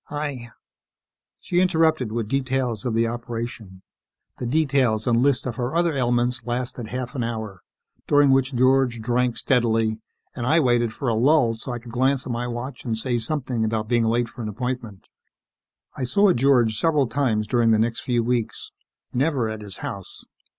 I " She interrupted with details of the operation. The details and list of her other ailments lasted half an hour, during which George drank steadily and I waited for a lull so I could glance at my watch and say something about being late for an appointment. I saw George several times during the next few weeks. Never at his house.